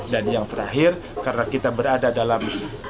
dan yang terakhir karena kita berada dalam